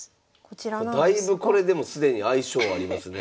だいぶこれでも既に相性ありますね。